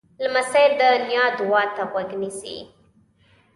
لمسی د نیا دعا ته غوږ نیسي.